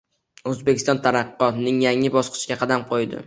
O‘zbekiston taraqqiyotning yangi bosqichiga qadam qo‘ydi